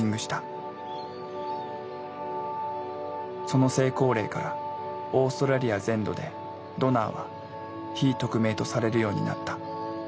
その成功例からオーストラリア全土でドナーは非匿名とされるようになった。